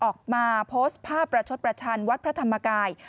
ออกมาโพสต์ภาพประชดประชันวัดพระธรรมกาย